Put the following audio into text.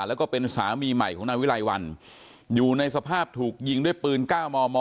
แล้วก็เป็นสามีใหม่ของนายวิรัยวัลอยู่ในสภาพถูกยิงด้วยปืน๙มม